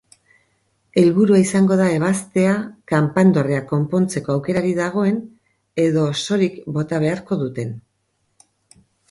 Helburua izango da ebaztea kanpandorrea konpontzeko aukerarik dagoen edo osorik bota beharko duten.